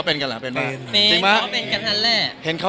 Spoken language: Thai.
เป็นเพราะเป็นกันแหละ